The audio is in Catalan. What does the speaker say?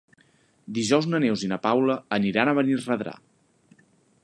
Dijous na Neus i na Paula aniran a Benirredrà.